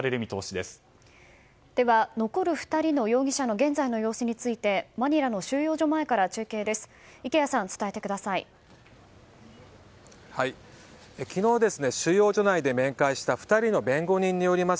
では、残る２人の容疑者の現在の様子についてマニラの収容所前から中継です。